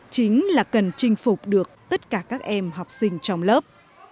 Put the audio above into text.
chính là cần chinh phục được tất cả các em học sinh trong lớp